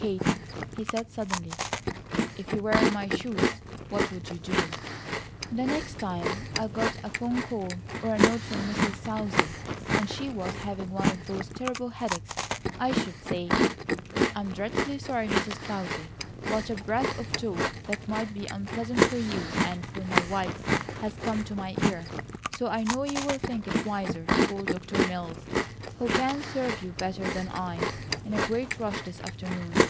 "Kate," he said suddenly, "if you were in my shoes, what would you do?" "The next time I got a phone call, or a note from Mrs. Southey, and she was having one of those terrible headaches, I should say: 'I'm dreadfully sorry, Mrs. Southey, but a breath of talk that might be unpleasant for you, and for my wife, has come to my ear, so I know you'll think it wiser to call Dr. Mills, who can serve you better than I. In a great rush this afternoon.